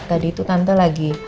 tadi itu tante lagi